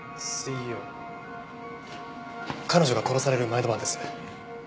彼女が殺される前の晩です。